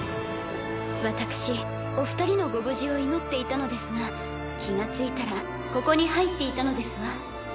私お二人のご無事を祈っていたのですが気が付いたらここに入っていたのですわ。